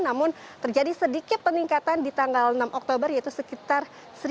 namun terjadi sedikit peningkatan di tanggal enam oktober yaitu sekitar satu empat ratus delapan puluh empat